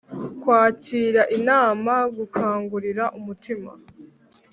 Kwakira inama gukangurira umutima